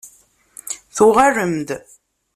Tuɣalem-d.